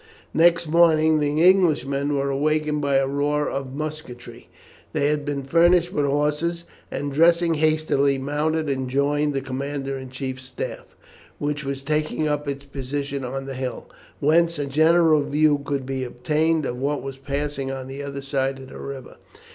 Next morning the Englishmen were awakened by a roar of musketry. They had been furnished with horses, and, dressing hastily, mounted, and joined the commander in chief's staff, which was taking up its position on the hill, whence a general view could be obtained of what was passing on the other side of the river.